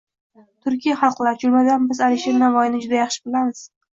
– Turkiy xalqlar, jumladan, biz Alisher Navoiyni juda yaxshi bilamiz.